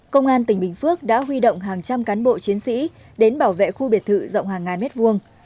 công an tỉnh bình phước đã huy động hàng trăm cán bộ chiến sĩ đến bảo vệ khu biệt thự rộng hàng ngàn mét vuông